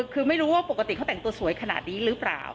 คือไม่รู้ว่าปกติเขาแต่งตัวสวยขนาดนี้หรือเปล่า